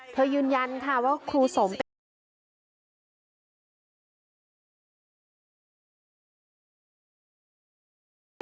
เธอยืนยันค่ะว่าครูสมเป็นคุณของทุกคนไม่ได้รู้สึกว่าจำไว้แล้วคุณค่ะ